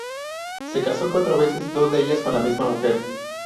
Se casó cuatro veces, dos de ellas con la misma mujer.